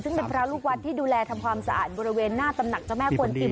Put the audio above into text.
ซึ่งเป็นพระลูกวัดที่ดูแลทำความสะอาดบริเวณหน้าตำหนักเจ้าแม่กวนอิ่ม